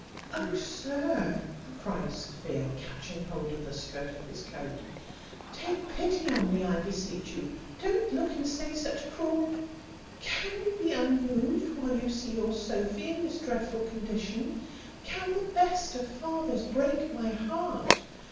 "Oh! sir," cries Sophia, catching hold of the skirt of his coat, "take pity on me, I beseech you. Don't look and say such cruel Can you be unmoved while you see your Sophy in this dreadful condition? Can the best of fathers break my heart?